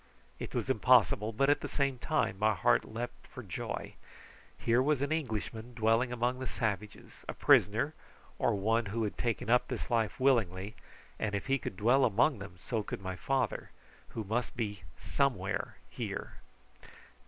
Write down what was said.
It was impossible, but at the same time my heart leaped for joy. Here was an Englishman dwelling among the savages a prisoner, or one who had taken up this life willingly, and if he could dwell among them so could my father, who must be somewhere here.